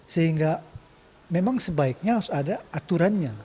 sehingga memang sebaiknya harus ada aturannya